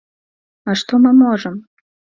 А што мы можам?